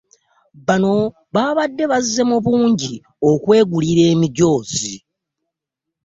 Bano babadde bazze mu bungi okwegulira emijoozi.